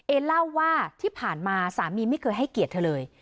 เล่าว่าที่ผ่านมาสามีไม่เคยให้เกียรติเธอเลย